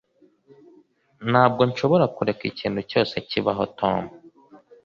Ntabwo nshobora kureka ikintu cyose kibaho Tom